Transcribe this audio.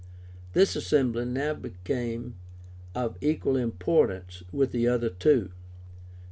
This assembly now became of equal importance with the other two.